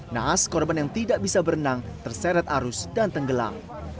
naas korban yang tidak bisa berenang terseret arus dan tenggelam